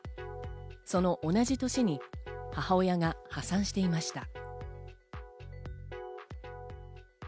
その同じ年に母親が破産していました。